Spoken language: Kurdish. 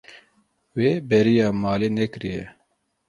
Wê bêriya malê nekiriye.